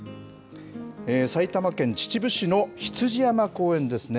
埼玉県秩父市の羊山公園ですね。